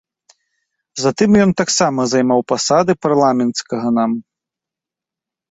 Затым ён таксама займаў пасады парламенцкага нам.